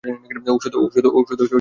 ঔষধ কাজ করছে না।